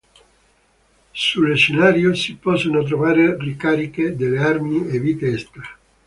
Sullo scenario si possono trovare ricariche delle armi e vite extra.